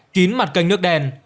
kín mặt kênh nước đen